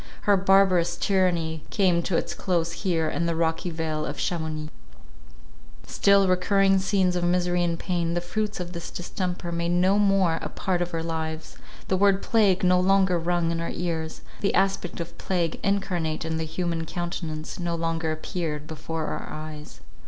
Her barbarous tyranny came to its close here in the rocky vale of Chamounix. Still recurring scenes of misery and pain, the fruits of this distemper, made no more a part of our lives—the word plague no longer rung in our ears—the aspect of plague incarnate in the human countenance no longer appeared before our eyes.